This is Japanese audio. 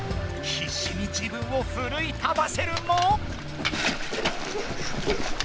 ひっしに自分をふるい立たせるも。